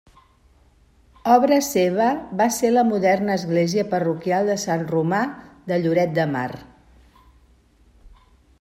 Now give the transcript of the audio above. Obra seva va ser la moderna església Parroquial de Sant Romà de Lloret de Mar.